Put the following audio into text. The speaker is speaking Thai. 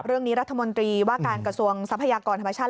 เรื่องนี้รัฐมนตรีว่าการกระทรวงทรัพยากรธรรมชาติ